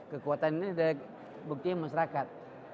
kekuatan ini buktinya masyarakat